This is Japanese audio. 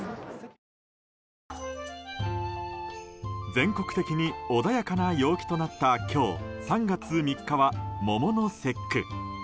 全国的に穏やかな陽気となった今日３月３日は桃の節句。